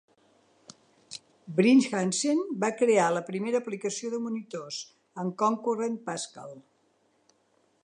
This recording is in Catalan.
Brinch Hansen va crear la primera aplicació de monitors, en Concurrent Pascal.